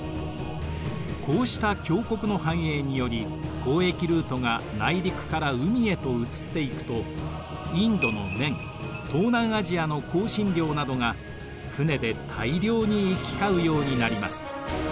こうした強国の繁栄により交易ルートが内陸から海へと移っていくとインドの綿東南アジアの香辛料などが船で大量に行き交うようになります。